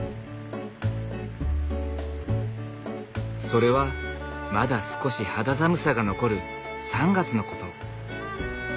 それはまだ少し肌寒さが残る３月のこと。